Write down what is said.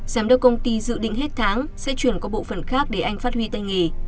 giám đốc công ty dự định hết tháng sẽ chuyển qua bộ phần khác để anh phát huy tay nghề